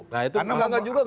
nah itu enggak enggak juga